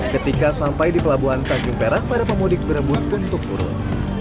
ketika sampai di pelabuhan tanjung perak para pemudik berebut untuk turun